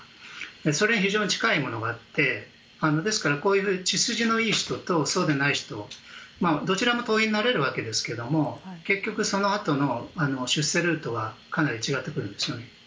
それに非常に近いものになってしまってですから血筋のいい人とそうでない人、どちらも党員になれるわけですが結局、そのあとの出世ルートは違ってくるんです。